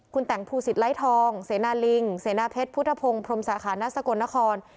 คุณแต่งภูสิตไร้ทองเสนาลิงเสนาเพชรพุทธพงศ์พรมสาขานสกลนคร